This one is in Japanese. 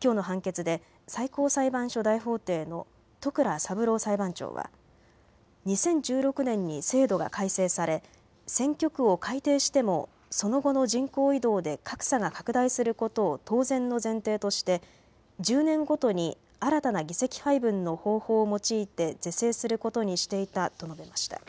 きょうの判決で最高裁判所大法廷の戸倉三郎裁判長は２０１６年に制度が改正され選挙区を改定してもその後の人口異動で格差が拡大することを当然の前提として１０年ごとに新たな議席配分の方法を用いて是正することにしていたと述べました。